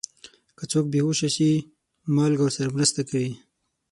که څوک بې هوښه شي، مالګه ورسره مرسته کوي.